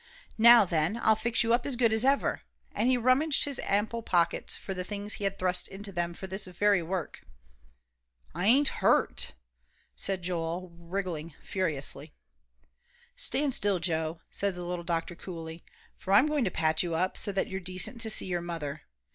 "Now then, I'll fix you up as good as ever," and he rummaged his ample pockets for the things he had thrust into them for this very work. "I ain't hurt," said Joel, wriggling furiously. "Stand still, Joe," said the little doctor, coolly, "for I'm going to patch you up, so that you're decent to see your mother.